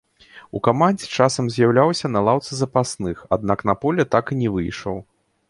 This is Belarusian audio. У камандзе часам з'яўляўся на лаўцы запасных, аднак на поле так і не выйшаў.